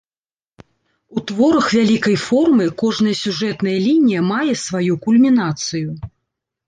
У творах вялікай формы кожная сюжэтная лінія мае сваю кульмінацыю.